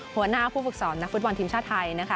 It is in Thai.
หัวหน้าผู้ฝึกศรนักฟุตบอลทีมชาติไทย